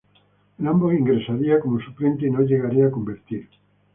En ambos ingresaría como suplente y no llegaría a convertir.